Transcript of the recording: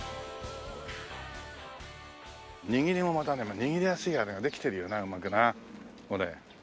握りもまた握りやすいあれができてるよなうまくなこれ。